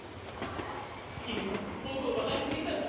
君も僕をバカにしに来たんだろ。